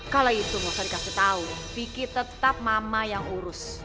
kalau itu nggak usah dikasih tahu vicky tetap mama yang urus